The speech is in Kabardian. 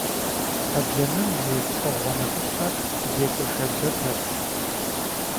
Kheblemem yi pkhığue nexhışher zêk'ue şşabzeperş.